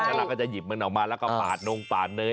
แล้วเราก็จะหยิบมันออกมาก็ปาดนุ่มปลาดเนย